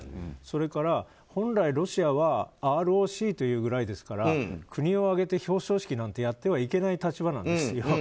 それから、本来ロシアはＲＯＣというぐらいですから国を挙げて表彰式なんてやってはいけない立場なんですよ。